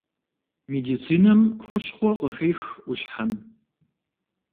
Медицинэм хущхъуэ къыхех ӏущхьэм.